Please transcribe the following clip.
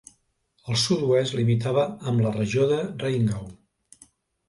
Al sud-oest limitava amb la regió de Rheingau.